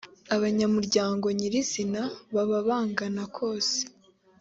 abanyamuryango nyirizina baba bangana kose